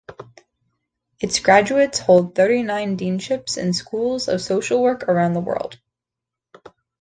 Its graduates hold thirty-nine deanships in schools of social work around the world.